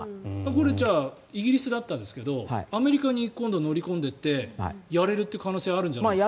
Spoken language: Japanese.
じゃあイギリスだったんですけどアメリカに今度、乗り込んでいってやれるという可能性はあるんじゃないんですか？